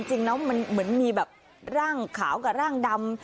จริงแล้วมันเหมือนมีแบบร่างขาวกับร่างดำ